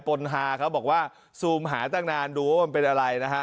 นฮาเขาบอกว่าซูมหาตั้งนานดูว่ามันเป็นอะไรนะฮะ